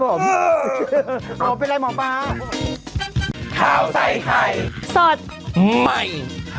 สวัสดีมากครับผม